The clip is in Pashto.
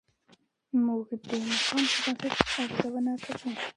موږ د مقام پر بنسټ ارزونه کوو.